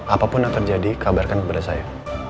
apapun yang terjadi kabarkan kepada saya